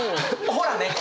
ほらね！